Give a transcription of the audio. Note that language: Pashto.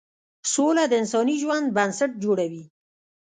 سوله د انساني ژوند بنسټ جوړوي.